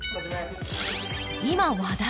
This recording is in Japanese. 今話題！